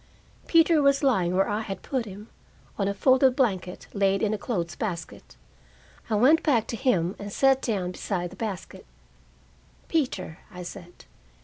Peter was lying where I had put him, on a folded blanket laid in a clothes basket. I went back to him, and sat down beside the basket. "Peter!" I said.